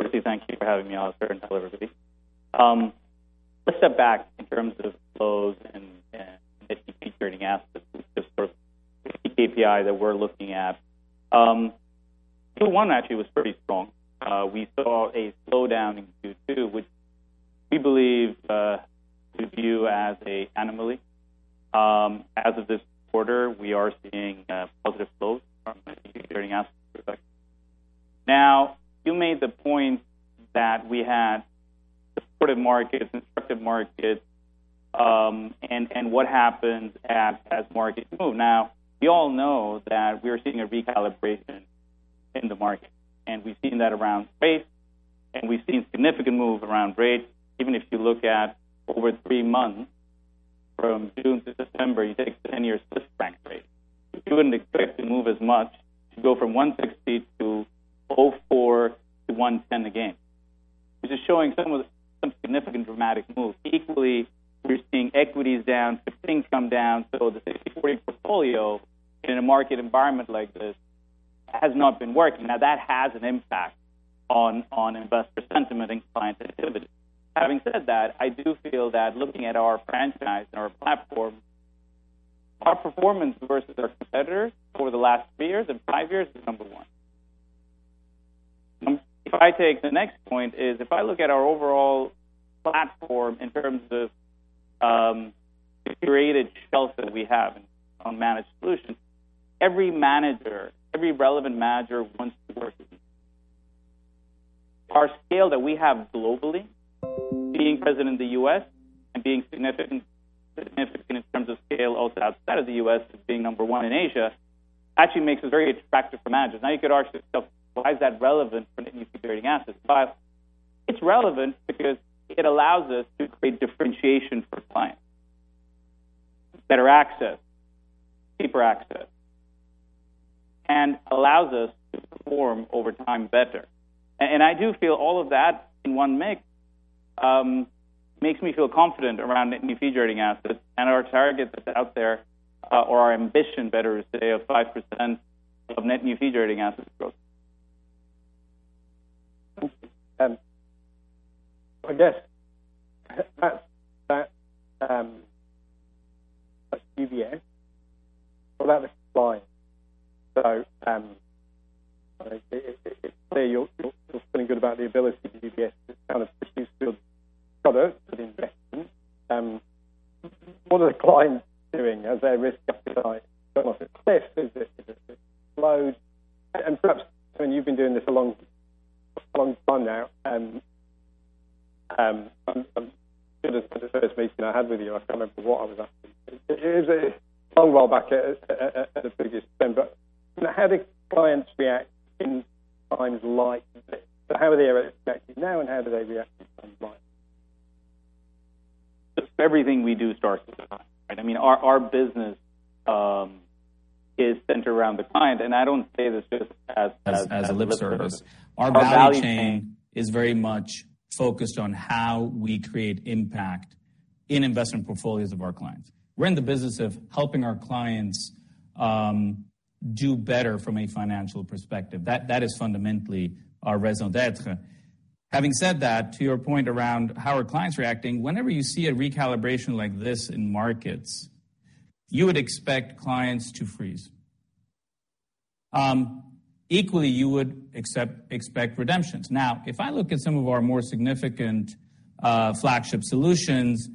Firstly, thank you for having me on everybody. Let's step back in terms of flows and net new fee-generating assets, the sort of KPI that we're looking at. Q1 actually was pretty strong. We saw a slowdown in Q2, which we believe we view as an anomaly. As of this quarter, we are seeing positive flows from a net new fee-generating assets perspective. Now, you made the point that we had supportive markets, constructive markets, and what happens as markets move. Now, we all know that we are seeing a recalibration in the market, and we've seen that around rates, and we've seen significant moves around rates. Even if you look at over three months from June to September, you take the 10-year Swiss franc rate. You wouldn't expect to move as much to go from 1.60 to 0.4 to 1.10 again, which is showing some significant dramatic moves. Equally, we're seeing equities down, fixed income down. The 60/40 portfolio in a market environment like this has not been working. Now, that has an impact on investor sentiment and client activity. Having said that, I do feel that looking at our franchise and our platform, our performance versus our competitors over the last three years and five years is number one. If I take the next point is if I look at our overall platform in terms of the curated shelf that we have on managed solutions, every manager, every relevant manager wants to work with us. Our scale that we have globally, being present in the U.S. and being significant in terms of scale also outside of the U.S. as being number one in Asia actually makes us very attractive for managers. Now, you could ask yourself, why is that relevant for net new fee-generating assets? It's relevant because it allows us to create differentiation for clients, better access, deeper access, and allows us to perform over time better. I do feel all of that in one mix makes me feel confident around net new fee-generating assets and our target that's out there, or our ambition better is today of 5% of net new fee-generating assets growth. I guess that's UBS. What about the client? If you're feeling good about the ability of UBS to kind of produce good products, good investments, what are the clients doing? Has their risk appetite gone off a cliff? Is it low? Perhaps, I mean, you've been doing this a long, long time now, and the first meeting I had with you, I can't remember what I was asking you. It was a while back at the previous event. How do clients react in times like this? How are they reacting now and how do they react in times like this? Look, everything we do starts with the client, right? I mean, our business is centered around the client, and I don't say this just as a lip service. Our value chain is very much focused on how we create impact in investment portfolios of our clients. We're in the business of helping our clients do better from a financial perspective. That is fundamentally our raison d'être. Having said that, to your point around how are clients reacting, whenever you see a recalibration like this in markets, you would expect clients to freeze. Equally, you would expect redemptions. Now, if I look at some of our more significant flagship solutions,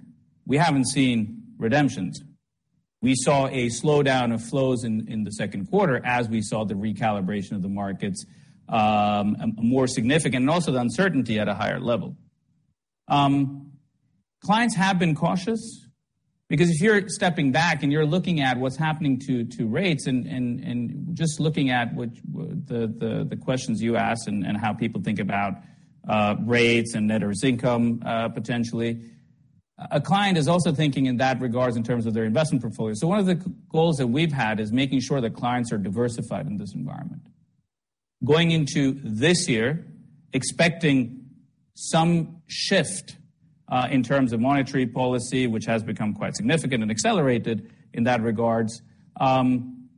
we haven't seen redemptions. We saw a slowdown of flows in the second quarter as we saw the recalibration of the markets, more significant, and also the uncertainty at a higher level. Clients have been cautious because if you're stepping back and you're looking at what's happening to rates and just looking at the questions you ask and how people think about rates and net interest income, potentially a client is also thinking in that regards in terms of their investment portfolio. One of the goals that we've had is making sure that clients are diversified in this environment. Going into this year, expecting some shift in terms of monetary policy, which has become quite significant and accelerated in that regard,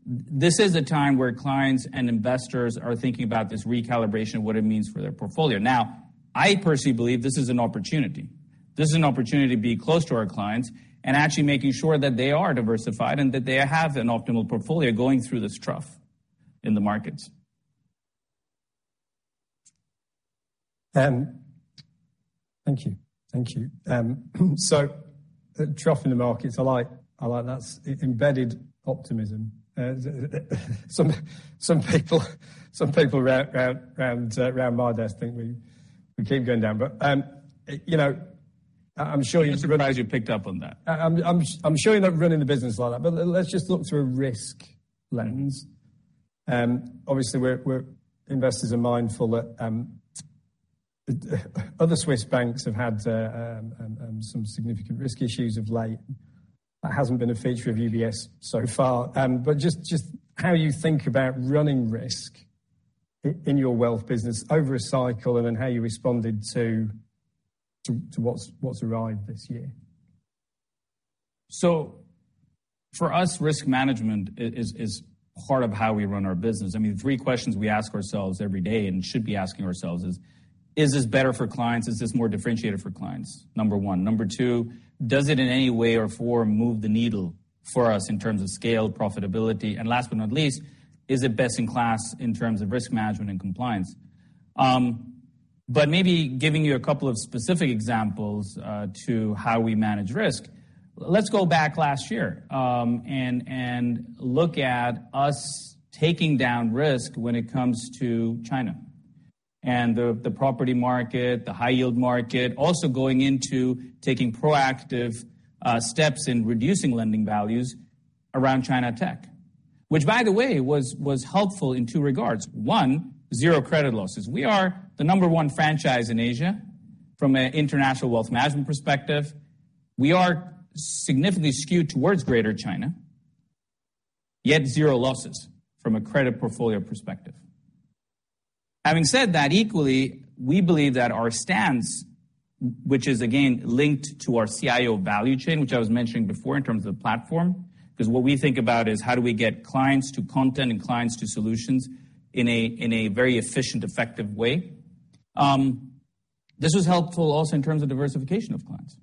this is a time where clients and investors are thinking about this recalibration, what it means for their portfolio. Now, I personally believe this is an opportunity. This is an opportunity to be close to our clients and actually making sure that they are diversified and that they have an optimal portfolio going through this trough in the markets. Thank you. The trough in the markets, I like that. It embedded optimism. Some people around my desk think we keep going down, but you know, I'm sure you- I'm surprised you picked up on that. I'm sure you're not running the business like that, but let's just look through a risk lens. Obviously investors are mindful that other Swiss banks have had some significant risk issues of late. That hasn't been a feature of UBS so far. Just how you think about running risk in your wealth business over a cycle and then how you responded to what's arrived this year? For us, risk management is part of how we run our business. I mean, the three questions we ask ourselves every day and should be asking ourselves is this better for clients? Is this more differentiated for clients? Number one. Number two, does it in any way or form move the needle for us in terms of scale, profitability? And last but not least, is it best in class in terms of risk management and compliance? Maybe giving you a couple of specific examples of how we manage risk. Let's go back last year and look at us taking down risk when it comes to China and the property market, the high yield market, also going into taking proactive steps in reducing lending values around China tech. Which by the way, was helpful in two regards. One, zero credit losses. We are the number one franchise in Asia from an international wealth management perspective. We are significantly skewed towards Greater China, yet zero losses from a credit portfolio perspective. Having said that, equally, we believe that our stance, which is again linked to our CIO value chain, which I was mentioning before in terms of platform, 'cause what we think about is how do we get clients to content and clients to solutions in a very efficient, effective way. This was helpful also in terms of diversification of clients,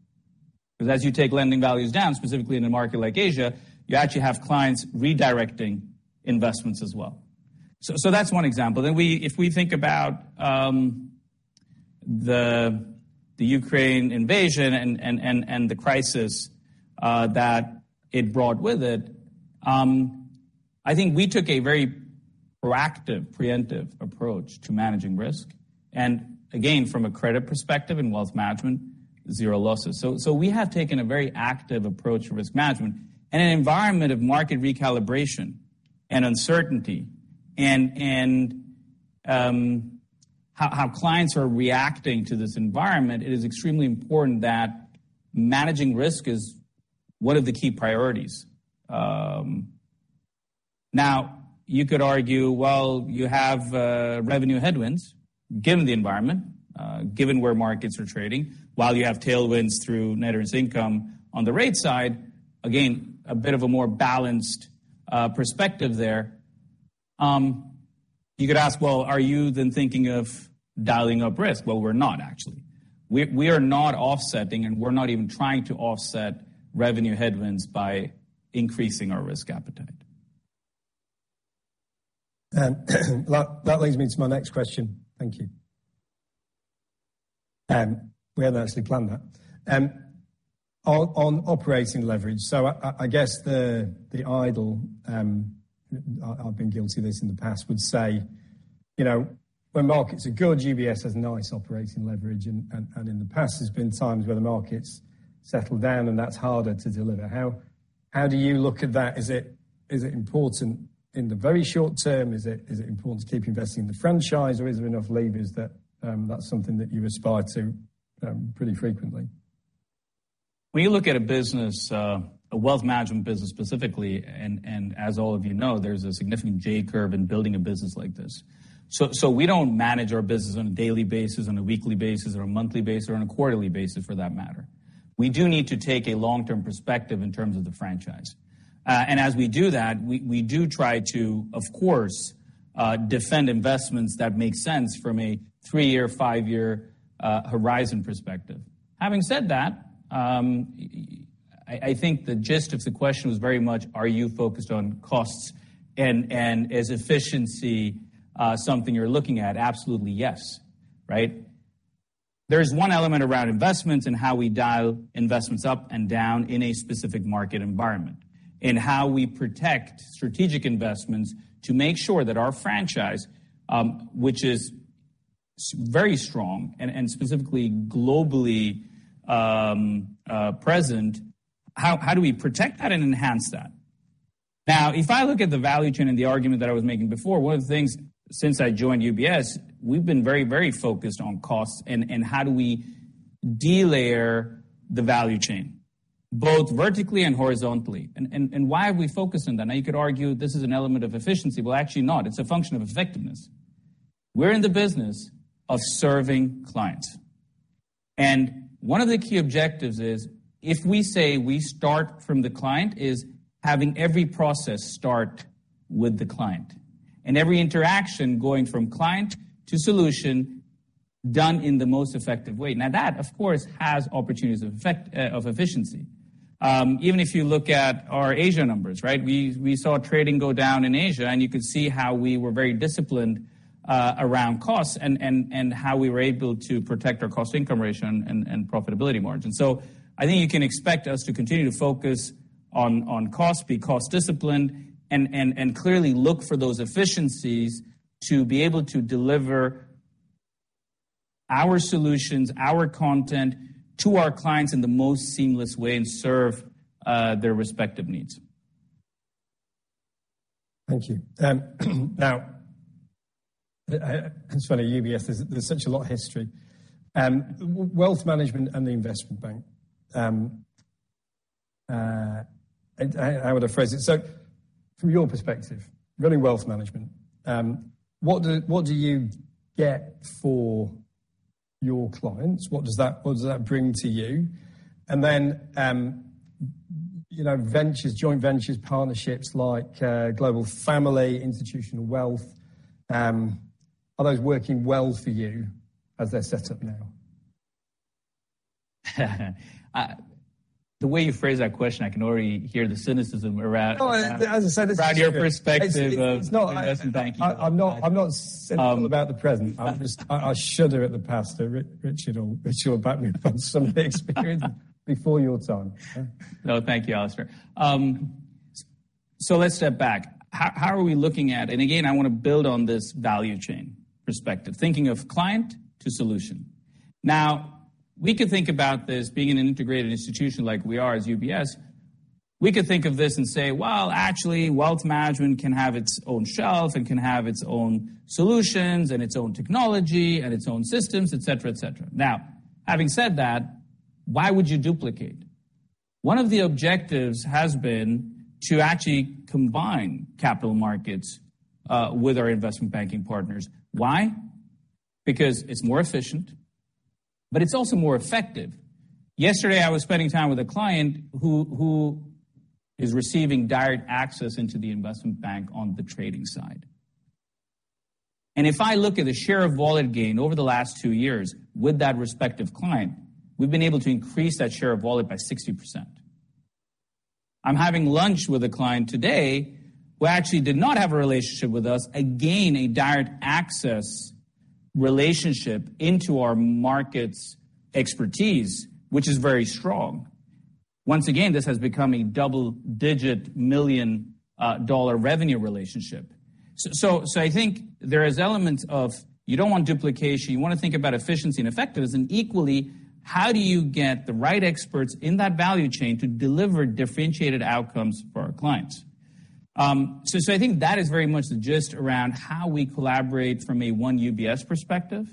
'cause as you take lending values down, specifically in a market like Asia, you actually have clients redirecting investments as well. That's one example. If we think about the Ukraine invasion and the crisis that it brought with it, I think we took a very proactive preemptive approach to managing risk. Again, from a credit perspective in wealth management, zero losses. We have taken a very active approach to risk management in an environment of market recalibration and uncertainty and how clients are reacting to this environment. It is extremely important that managing risk is one of the key priorities. You could argue, well, you have revenue headwinds given the environment, given where markets are trading, while you have tailwinds through net interest income. On the rate side, again, a bit of a more balanced perspective there. You could ask, "Well, are you then thinking of dialing up risk?" Well, we're not actually. We are not offsetting, and we're not even trying to offset revenue headwinds by increasing our risk appetite. That leads me to my next question. Thank you. We haven't actually planned that. On operating leverage. I guess the ideal I've been guilty of this in the past would say, you know, when markets are good, UBS has nice operating leverage. In the past there's been times where the market's settled down, and that's harder to deliver. How do you look at that? Is it important in the very short term? Is it important to keep investing in the franchise? Or is there enough levers that that's something that you aspire to pretty frequently? When you look at a business, a wealth management business specifically, and as all of you know, there's a significant J-curve in building a business like this. We don't manage our business on a daily basis, on a weekly basis, or a monthly basis, or on a quarterly basis for that matter. We do need to take a long-term perspective in terms of the franchise. As we do that, we do try to, of course, defend investments that make sense from a three-year, five-year, horizon perspective. Having said that, I think the gist of the question was very much are you focused on costs, and is efficiency something you're looking at? Absolutely yes, right? There's one element around investments and how we dial investments up and down in a specific market environment, in how we protect strategic investments to make sure that our franchise, which is very strong and specifically globally present, how do we protect that and enhance that? Now, if I look at the value chain and the argument that I was making before, one of the things since I joined UBS, we've been very, very focused on costs and how do we delayer the value chain, both vertically and horizontally, and why are we focused on that? Now, you could argue this is an element of efficiency. Well, actually not. It's a function of effectiveness. We're in the business of serving clients. One of the key objectives is, if we say we start from the client, is having every process start with the client, and every interaction going from client to solution done in the most effective way. That, of course, has opportunities of efficiency. Even if you look at our Asia numbers, right? We saw trading go down in Asia, and you could see how we were very disciplined around costs and how we were able to protect our cost income ratio and profitability margins. I think you can expect us to continue to focus on cost, be cost disciplined and clearly look for those efficiencies to be able to deliver our solutions, our content to our clients in the most seamless way and serve their respective needs. Thank you. Now, it's funny, UBS, there's such a lot of history. Wealth Management and the Investment Bank, and how would I phrase it? From your perspective, running Wealth Management, what do you get for your clients? What does that bring to you? Then, you know, ventures, joint ventures, partnerships like Global Family and Institutional Wealth, are those working well for you as they're set up now? The way you phrase that question, I can already hear the cynicism around. No. As I said, it's. Around your perspective of It's not- investment banking. I'm not cynical about the present. I'm just, I shudder at the past, Richard, or tell you about me from some of the experience before your time. No, thank you, Alastair. Let's step back. How are we looking at? Again, I wanna build on this value chain perspective, thinking of client to solution. Now, we could think about this being an integrated institution like we are as UBS. We could think of this and say, well, actually Wealth Management can have its own shelf, it can have its own solutions and its own technology and its own systems, et cetera, et cetera. Now, having said that, why would you duplicate? One of the objectives has been to actually combine capital markets with our investment banking partners. Why? Because it's more efficient, but it's also more effective. Yesterday, I was spending time with a client who is receiving direct access into the investment bank on the trading side. If I look at the share of wallet gain over the last two years with that respective client, we've been able to increase that share of wallet by 60%. I'm having lunch with a client today who actually did not have a relationship with us, again, a direct access relationship into our markets expertise, which is very strong. Once again, this has become a double-digit million-dollar revenue relationship. So, I think there is elements of you don't want duplication, you wanna think about efficiency and effectiveness, and equally, how do you get the right experts in that value chain to deliver differentiated outcomes for our clients. I think that is very much the gist around how we collaborate from a one UBS perspective.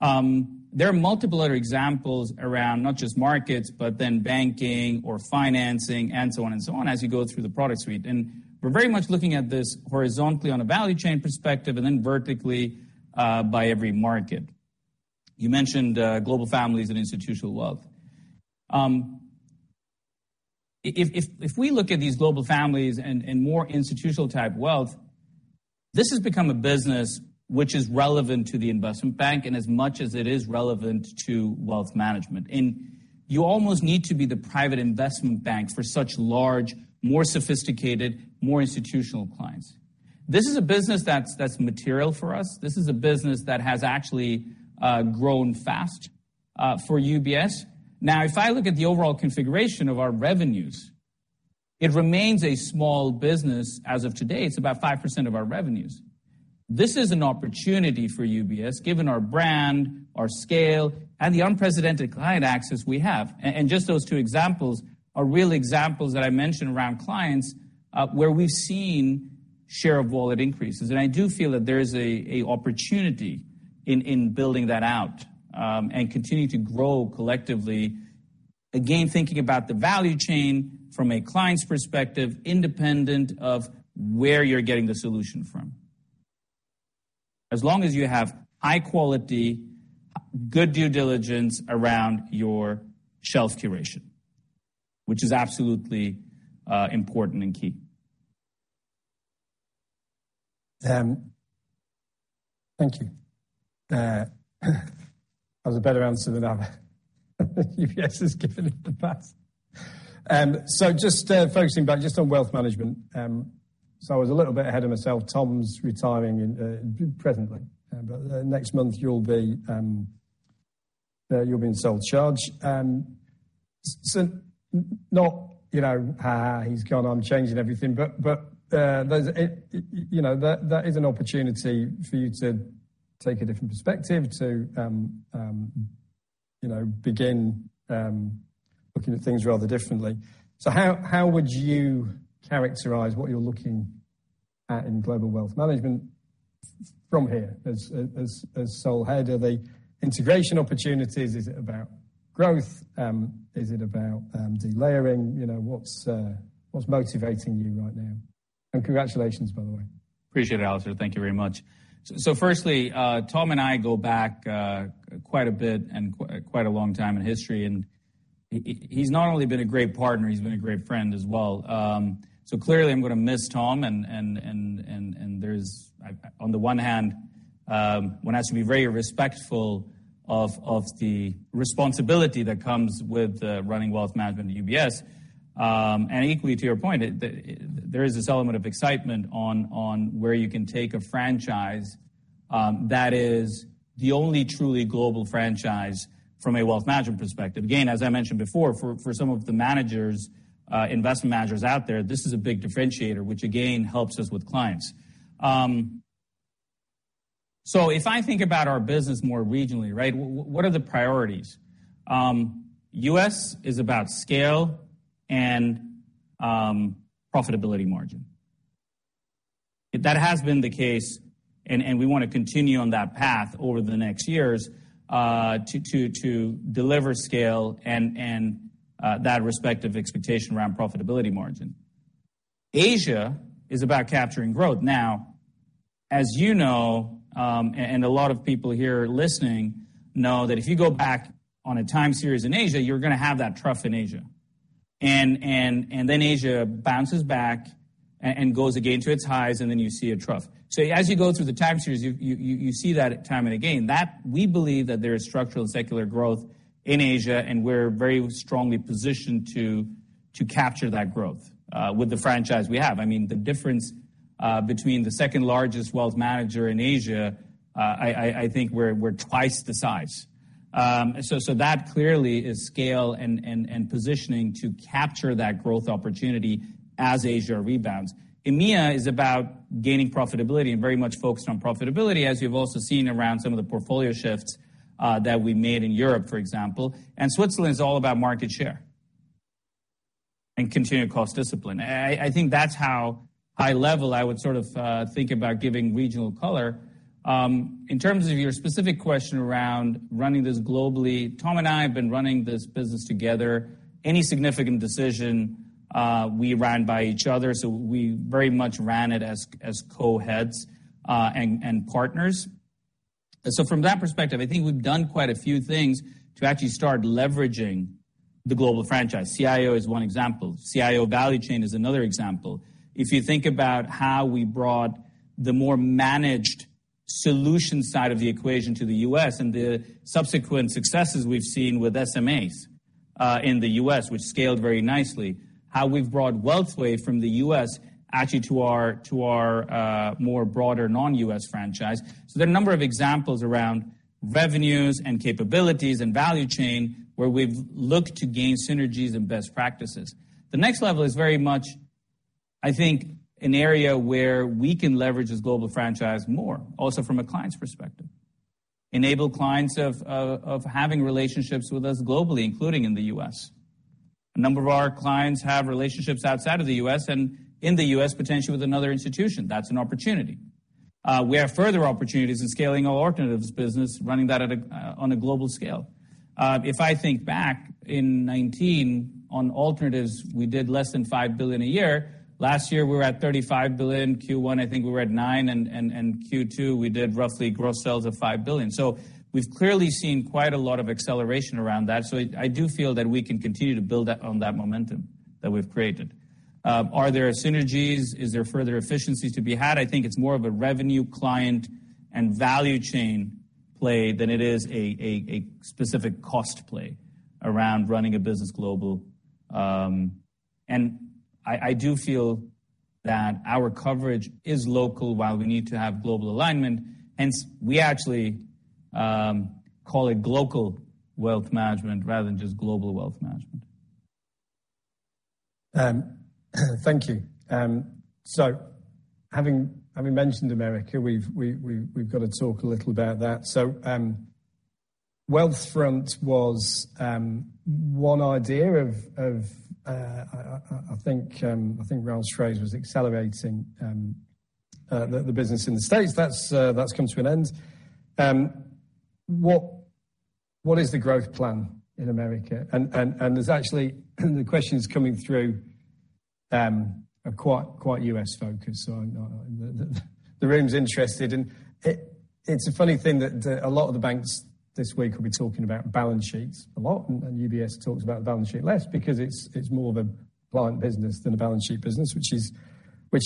There are multiple other examples around not just markets, but then banking or financing and so on and so on as you go through the product suite. We're very much looking at this horizontally on a value chain perspective and then vertically by every market. You mentioned Global Family and Institutional Wealth. If we look at these Global Family and more institutional type wealth, this has become a business which is relevant to the Investment Bank and as much as it is relevant to Wealth Management. You almost need to be the private Investment Bank for such large, more sophisticated, more institutional clients. This is a business that's material for us. This is a business that has actually grown fast for UBS. Now, if I look at the overall configuration of our revenues, it remains a small business. As of today, it's about 5% of our revenues. This is an opportunity for UBS, given our brand, our scale, and the unprecedented client access we have. Just those two examples are real examples that I mentioned around clients, where we've seen share of wallet increases. I do feel that there is an opportunity in building that out and continue to grow collectively, again, thinking about the value chain from a client's perspective, independent of where you're getting the solution from. As long as you have high quality, good due diligence around your shelf curation, which is absolutely important and key. Thank you. That was a better answer than other UBS has given in the past. Just focusing back just on wealth management, I was a little bit ahead of myself. Tom's retiring in presently, but next month you'll be sole charge. Not, you know, ha ha, he's gone, I'm changing everything. There's it, you know, that is an opportunity for you to take a different perspective to you know, begin looking at things rather differently. How would you characterize what you're looking at in Global Wealth Management from here as sole head? Are they integration opportunities? Is it about growth? Is it about delayering? You know, what's motivating you right now? Congratulations, by the way. Appreciate it, Alastair. Thank you very much. Firstly, Tom and I go back quite a bit and quite a long time in history, and he's not only been a great partner, he's been a great friend as well. Clearly I'm gonna miss Tom and there's, on the one hand, one has to be very respectful of the responsibility that comes with running UBS Wealth Management. Equally, to your point, there is this element of excitement on where you can take a franchise that is the only truly global franchise from a wealth management perspective. Again, as I mentioned before, for some of the managers, investment managers out there, this is a big differentiator, which again, helps us with clients. If I think about our business more regionally, right, what are the priorities? U.S. is about scale and profitability margin. That has been the case, and we wanna continue on that path over the next years, to deliver scale and that respective expectation around profitability margin. Asia is about capturing growth. Now, as you know, and a lot of people here listening know that if you go back on a time series in Asia, you're gonna have that trough in Asia. Then Asia bounces back and goes again to its highs, and then you see a trough. As you go through the time series, you see that time and again. That we believe that there is structural and secular growth in Asia, and we're very strongly positioned to capture that growth with the franchise we have. I mean, the difference between the second-largest wealth manager in Asia, I think we're twice the size. So that clearly is scale and positioning to capture that growth opportunity as Asia rebounds. EMEA is about gaining profitability and very much focused on profitability, as you've also seen around some of the portfolio shifts that we made in Europe, for example. Switzerland's all about market share and continued cost discipline. I think that's how high level I would sort of think about giving regional color. In terms of your specific question around running this globally, Tom and I have been running this business together. Any significant decision, we ran by each other, so we very much ran it as co-heads and partners. From that perspective, I think we've done quite a few things to actually start leveraging the global franchise. CIO is one example. CIO value chain is another example. If you think about how we brought the more managed solutions side of the equation to the U.S. and the subsequent successes we've seen with SMAs in the U.S., which scaled very nicely, how we've brought Wealth Way from the U.S. actually to our more broader non-U.S. franchise. There are a number of examples around revenues and capabilities and value chain where we've looked to gain synergies and best practices. The next level is very much, I think, an area where we can leverage this global franchise more, also from a client's perspective. Enable clients of having relationships with us globally, including in the U.S. A number of our clients have relationships outside of the U.S. and in the U.S. potentially with another institution. That's an opportunity. We have further opportunities in scaling our alternatives business, running that at a on a global scale. If I think back in 2019, on alternatives, we did less than 5 billion a year. Last year, we were at 35 billion. Q1, I think we were at 9, and Q2, we did roughly gross sales of 5 billion. So we've clearly seen quite a lot of acceleration around that. I do feel that we can continue to build up on that momentum that we've created. Are there synergies? Is there further efficiencies to be had? I think it's more of a revenue client and value chain play than it is a specific cost play around running a global business. I do feel that our coverage is local while we need to have global alignment. Hence, we actually call it Local Wealth Management rather than just Global Wealth Management. Thank you. Having mentioned America, we've got to talk a little about that. Wealthfront was one idea. I think Ralph Hamers was accelerating the business in the States. That's come to an end. What is the growth plan in America? There's actually the questions coming through are quite U.S.-focused, so I know the room's interested. It's a funny thing that a lot of the banks this week will be talking about balance sheets a lot, and UBS talks about balance sheet less because it's more of a client business than a balance sheet business, which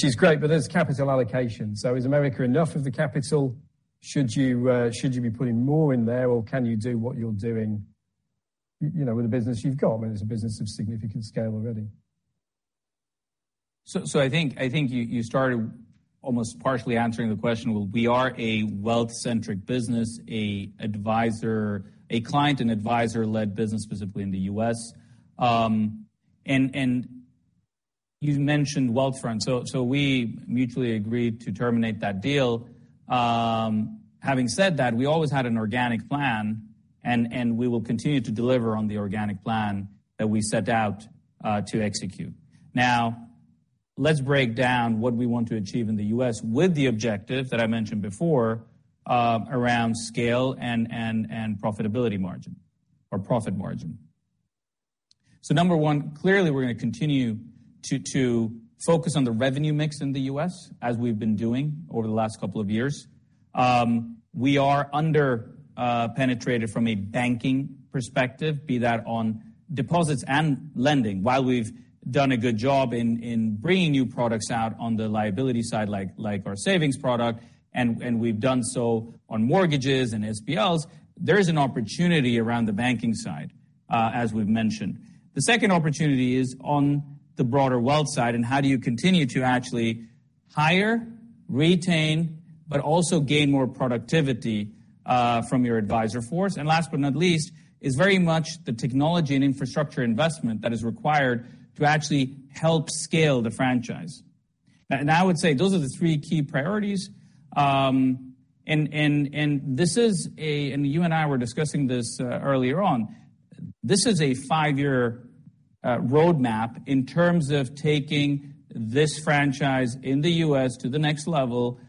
is great, but there's capital allocation. Is America enough of the capital? Should you be putting more in there, or can you do what you're doing, you know, with the business you've got? I mean, it's a business of significant scale alreaedy. I think you started almost partially answering the question. Well, we are a wealth-centric business, an advisor, client and advisor-led business, specifically in the U.S. You've mentioned Wealthfront. We mutually agreed to terminate that deal. Having said that, we always had an organic plan, and we will continue to deliver on the organic plan that we set out to execute. Now, let's break down what we want to achieve in the U.S. with the objective that I mentioned before, around scale and profitability margin or profit margin. Number one, clearly we're gonna continue to focus on the revenue mix in the U.S. as we've been doing over the last couple of years. We are underpenetrated from a banking perspective, be that on deposits and lending. While we've done a good job in bringing new products out on the liability side, like our savings product, and we've done so on mortgages and SBLs, there is an opportunity around the banking side, as we've mentioned. The second opportunity is on the broader wealth side, and how do you continue to actually hire, retain, but also gain more productivity from your advisor force? Last but not least, is very much the technology and infrastructure investment that is required to actually help scale the franchise. I would say those are the three key priorities. You and I were discussing this earlier on. This is a five-year roadmap in terms of taking this franchise in the U.S. to the next level.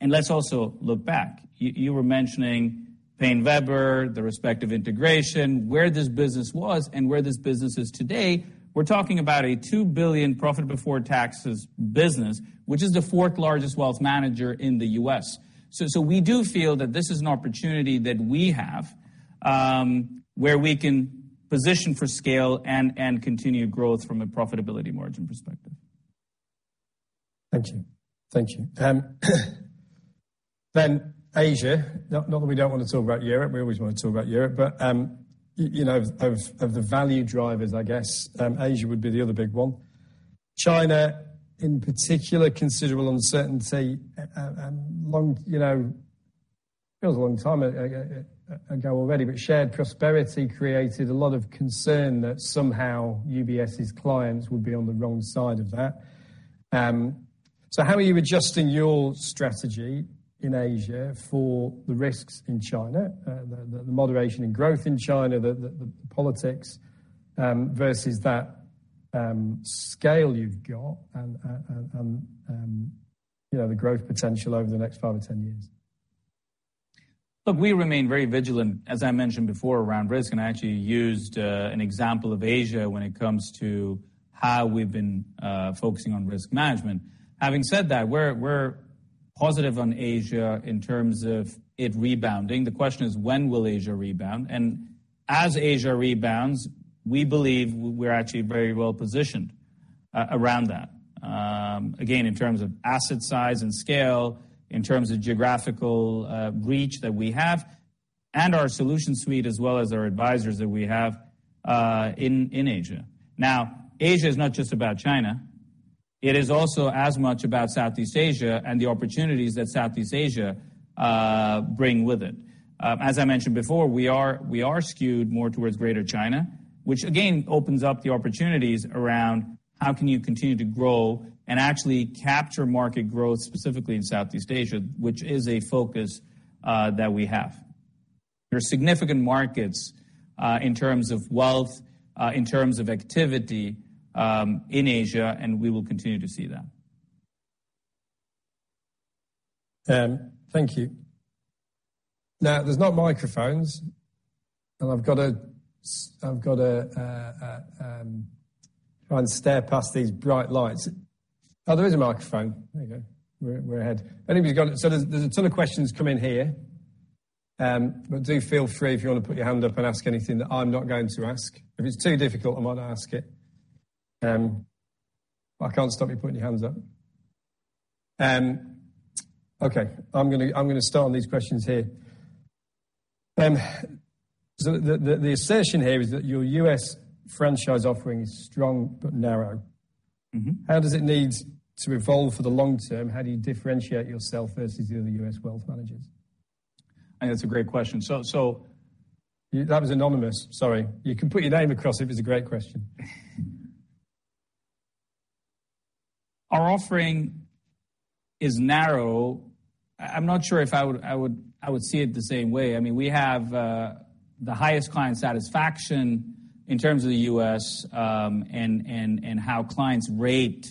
Let's also look back. You were mentioning PaineWebber, the respective integration, where this business was and where this business is today. We're talking about a $2 billion profit before taxes business, which is the fourth largest wealth manager in the U.S. We do feel that this is an opportunity that we have, where we can position for scale and continue growth from a profitability margin perspective. Thank you. Thank you. Asia. Not that we don't want to talk about Europe, we always wanna talk about Europe, but you know, of the value drivers, I guess, Asia would be the other big one. China in particular, considerable uncertainty and long, you know. It feels a long time ago already, but common prosperity created a lot of concern that somehow UBS's clients would be on the wrong side of that. How are you adjusting your strategy in Asia for the risks in China, the moderation in growth in China, the politics, versus that scale you've got and you know, the growth potential over the next 5-10 years? Look, we remain very vigilant, as I mentioned before, around risk, and I actually used an example of Asia when it comes to how we've been focusing on risk management. Having said that, we're positive on Asia in terms of it rebounding. The question is when will Asia rebound? As Asia rebounds, we believe we're actually very well positioned around that. Again, in terms of asset size and scale, in terms of geographical reach that we have, and our solution suite, as well as our advisors that we have in Asia. Now, Asia is not just about China. It is also as much about Southeast Asia and the opportunities that Southeast Asia bring with it. As I mentioned before, we are skewed more towards Greater China, which again opens up the opportunities around how can you continue to grow and actually capture market growth, specifically in Southeast Asia, which is a focus that we have. There are significant markets in terms of wealth in terms of activity in Asia, and we will continue to see that. Thank you. Now, there's not microphones, and I've gotta try and stare past these bright lights. Oh, there is a microphone. There you go. We're ahead. Anybody's got it. There's a ton of questions come in here. Do feel free if you want to put your hand up and ask anything that I'm not going to ask. If it's too difficult, I might not ask it. I can't stop you putting your hands up. Okay, I'm gonna start on these questions here. The assertion here is that your U.S. franchise offering is strong but narrow. Mm-hmm. How does it need to evolve for the long term? How do you differentiate yourself versus the other U.S. wealth managers? I think that's a great question. That was anonymous. Sorry. You can put your name across it's a great question. Our offering is narrow. I'm not sure if I would see it the same way. I mean, we have the highest client satisfaction in terms of the U.S., and how clients rate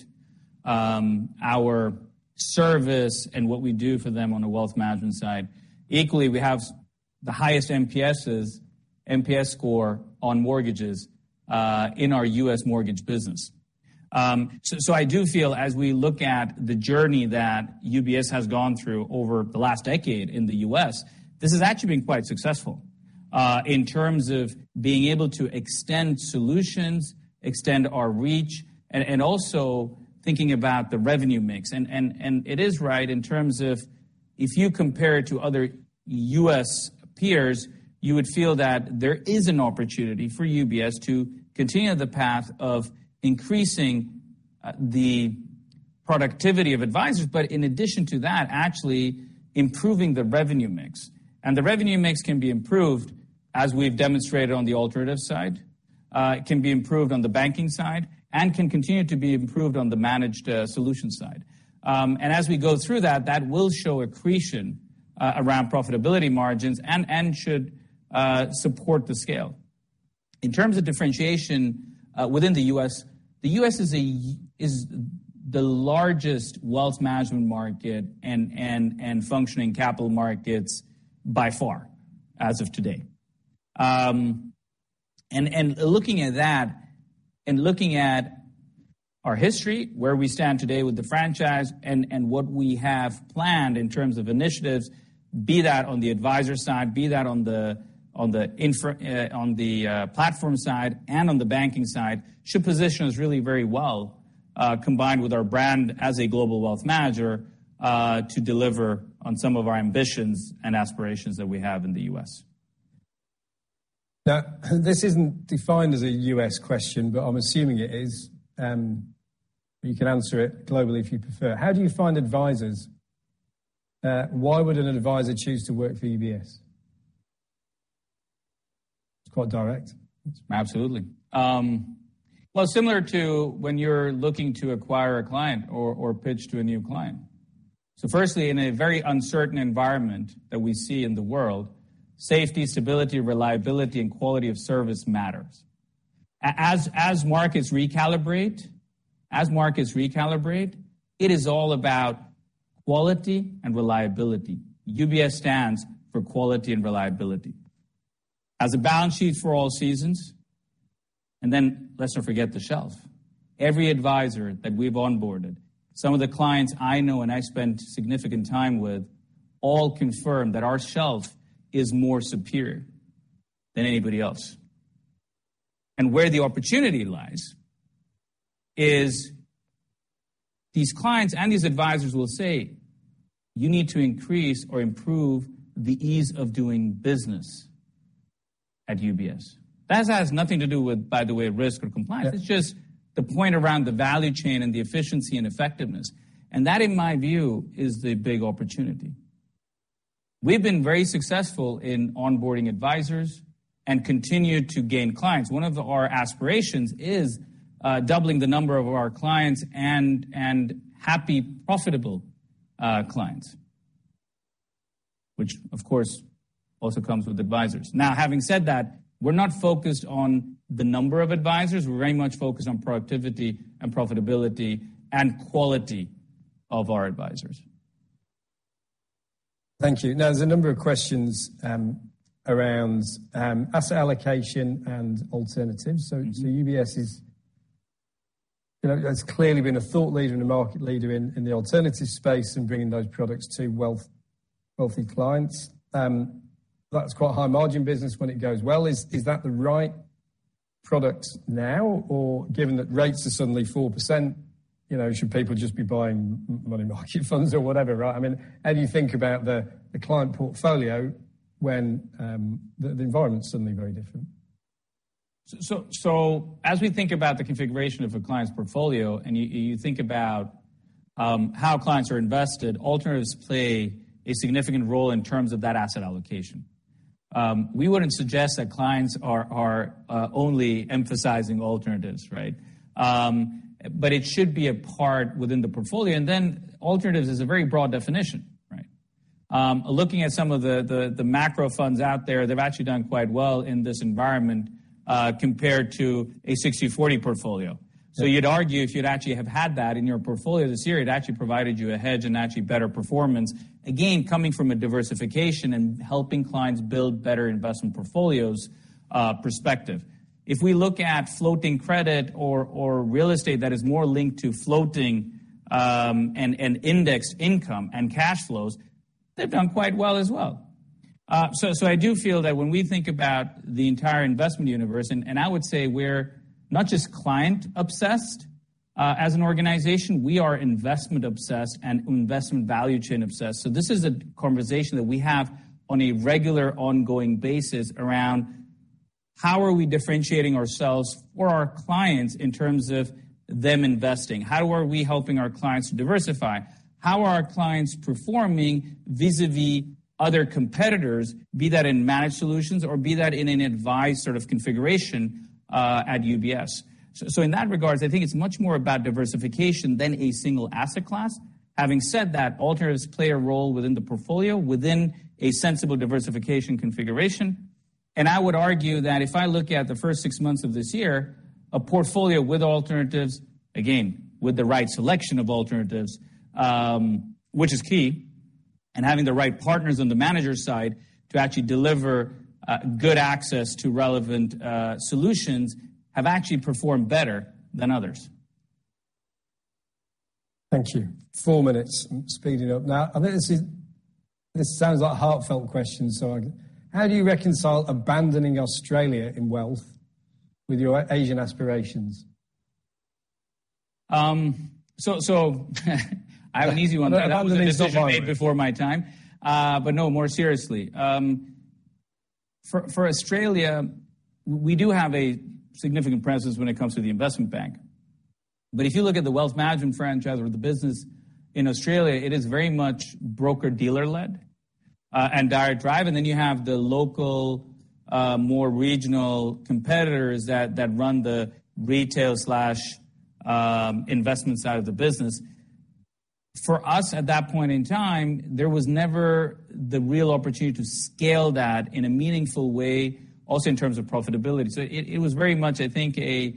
our service and what we do for them on the Wealth Management side. Equally, we have the highest NPSs, NPS score on mortgages in our U.S. mortgage business. So I do feel as we look at the journey that UBS has gone through over the last decade in the U.S., this has actually been quite successful in terms of being able to extend solutions, extend our reach and also thinking about the revenue mix. It is right in terms of if you compare it to other U.S. Peers, you would feel that there is an opportunity for UBS to continue the path of increasing the productivity of advisors. In addition to that, actually improving the revenue mix. The revenue mix can be improved as we've demonstrated on the alternatives side. It can be improved on the banking side and can continue to be improved on the managed solutions side. As we go through that will show accretion around profitability margins and should support the scale. In terms of differentiation, within the U.S., the U.S. Is the largest wealth management market and functioning capital markets by far as of today. Looking at that and looking at our history, where we stand today with the franchise and what we have planned in terms of initiatives, be that on the advisor side, be that on the platform side and on the banking side, should position us really very well, combined with our brand as a global wealth manager, to deliver on some of our ambitions and aspirations that we have in the U.S. Now this isn't defined as a U.S. question, but I'm assuming it is. You can answer it globally if you prefer. How do you find advisors? Why would an advisor choose to work for UBS? It's quite direct. Absolutely. Well, similar to when you're looking to acquire a client or pitch to a new client. Firstly, in a very uncertain environment that we see in the world, safety, stability, reliability and quality of service matters. As markets recalibrate, it is all about quality and reliability. UBS stands for quality and reliability. As a balance sheet for all seasons, and then let's not forget the shelf. Every advisor that we've onboarded, some of the clients I know and I spent significant time with, all confirm that our shelf is more superior than anybody else. Where the opportunity lies is these clients and these advisors will say, "You need to increase or improve the ease of doing business at UBS." That has nothing to do with, by the way, risk or compliance. Yeah. It's just the point around the value chain and the efficiency and effectiveness. That, in my view, is the big opportunity. We've been very successful in onboarding advisors and continue to gain clients. One of our aspirations is doubling the number of our clients and happy, profitable clients, which of course also comes with advisors. Now, having said that, we're not focused on the number of advisors. We're very much focused on productivity and profitability and quality of our advisors. Thank you. Now, there's a number of questions around asset allocation and alternatives. Mm-hmm. UBS is. You know, has clearly been a thought leader and a market leader in the alternatives space and bringing those products to wealthy clients. That's quite a high margin business when it goes well. Is that the right product now? Or given that rates are suddenly 4%, you know, should people just be buying money market funds or whatever, right? I mean, how do you think about the client portfolio when the environment's suddenly very different? As we think about the configuration of a client's portfolio, and you think about how clients are invested, alternatives play a significant role in terms of that asset allocation. We wouldn't suggest that clients are only emphasizing alternatives, right? It should be a part within the portfolio. Alternatives is a very broad definition, right? Looking at some of the macro funds out there, they've actually done quite well in this environment, compared to a 60/40 portfolio. You'd argue if you'd actually have had that in your portfolio this year, it actually provided you a hedge and actually better performance. Again, coming from a diversification and helping clients build better investment portfolios, perspective. If we look at floating credit or real estate that is more linked to floating, and index income and cash flows, they've done quite well as well. I do feel that when we think about the entire investment universe, and I would say we're not just client-obsessed, as an organization, we are investment obsessed and investment value chain obsessed. This is a conversation that we have on a regular ongoing basis around how are we differentiating ourselves for our clients in terms of them investing? How are we helping our clients to diversify? How are our clients performing vis-à-vis other competitors, be that in managed solutions or be that in an advised sort of configuration, at UBS? In that regards, I think it's much more about diversification than a single asset class. Having said that, alternatives play a role within the portfolio, within a sensible diversification configuration. I would argue that if I look at the first six months of this year, a portfolio with alternatives, again, with the right selection of alternatives, which is key, and having the right partners on the manager side to actually deliver good access to relevant solutions, have actually performed better than others. Thank you. Four minutes. Speed it up. Now, I think this sounds like a heartfelt question, so how do you reconcile abandoning Australia in wealth with your Asian aspirations? I have an easy one. No, I don't think it's so hard. That was a decision made before my time. No, more seriously. For Australia, we do have a significant presence when it comes to the investment bank. If you look at the Wealth Management franchise or the business in Australia, it is very much broker-dealer led, and direct drive, and then you have the local, more regional competitors that run the retail slash investment side of the business. For us, at that point in time, there was never the real opportunity to scale that in a meaningful way, also in terms of profitability. It was very much, I think, a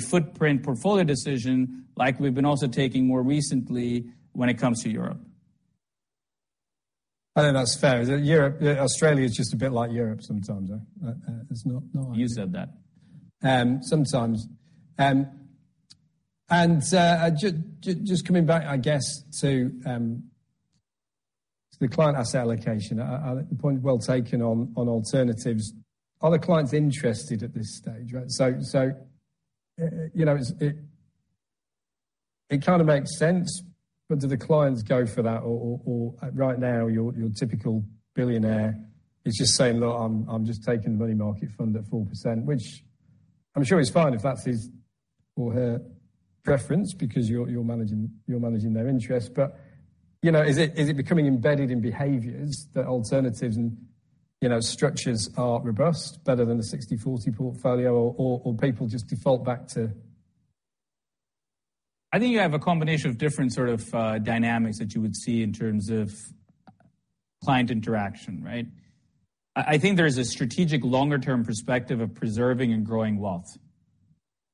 footprint portfolio decision like we've been also taking more recently when it comes to Europe. I think that's fair. Europe, Australia is just a bit like Europe sometimes. It's not. You said that. Sometimes. Just coming back, I guess, to the client asset allocation. I think the point is well taken on alternatives. Are the clients interested at this stage, right? You know, it kind of makes sense, but do the clients go for that? Or right now, your typical billionaire is just saying, "Look, I'm just taking the money market fund at 4%," which I'm sure is fine if that's his or her preference because you're managing their interest. You know, is it becoming embedded in behaviors that alternatives and, you know, structures are robust, better than a 60/40 portfolio or people just default back to- I think you have a combination of different sort of dynamics that you would see in terms of client interaction, right? I think there's a strategic longer term perspective of preserving and growing wealth.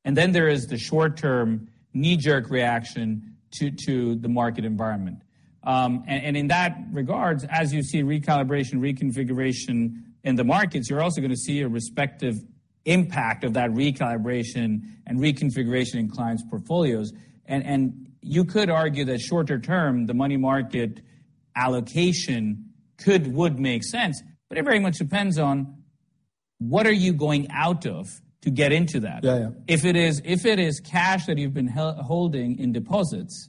Then there is the short term knee-jerk reaction to the market environment. In that regard, as you see recalibration, reconfiguration in the markets, you're also gonna see a respective impact of that recalibration and reconfiguration in clients' portfolios. You could argue that shorter term, the money market allocation could would make sense. It very much depends on what are you going out of to get into that. Yeah. Yeah. If it is cash that you've been holding in deposits,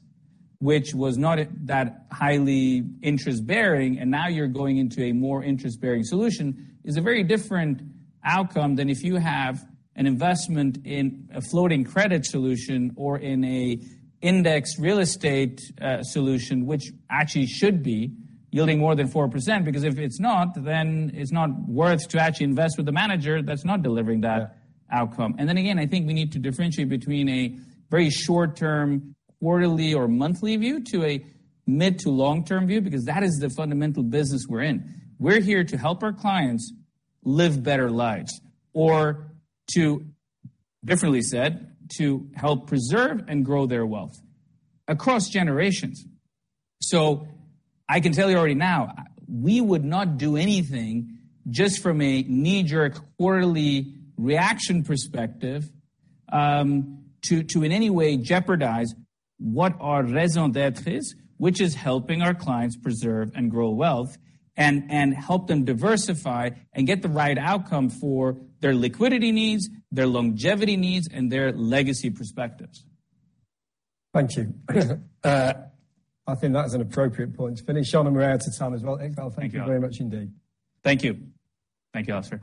which was not that high interest-bearing, and now you're going into a more interest-bearing solution, is a very different outcome than if you have an investment in a floating credit solution or in an indexed real estate solution, which actually should be yielding more than 4%. Because if it's not, then it's not worth it to actually invest with a manager that's not delivering that outcome. Then again, I think we need to differentiate between a very short-term quarterly or monthly view to a mid- to long-term view, because that is the fundamental business we're in. We're here to help our clients live better lives or, differently said, to help preserve and grow their wealth across generations. I can tell you already now, we would not do anything just from a knee-jerk quarterly reaction perspective, to in any way jeopardize what our raison d'être is, which is helping our clients preserve and grow wealth and help them diversify and get the right outcome for their liquidity needs, their longevity needs, and their legacy perspectives. Thank you. Okay. I think that is an appropriate point to finish on and we're out of time as well. Iqbal, thank you very much indeed. Thank you. Thank you, Alastair.